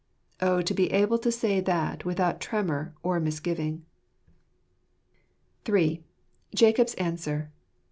Oh to be able to say that without tremor or misgiving ! III. Jacob's Answer.